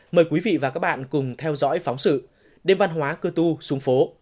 mời quý vị và các bạn cùng theo dõi phóng sự đêm văn hóa cơ tu xuống phố